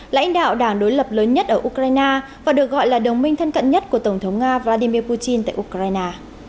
lãnh đạo đảng đối lập lớn nhất ở ukraine và được gọi là đồng minh thân cận nhất của tổng thống nga vladimir putin tại ukraine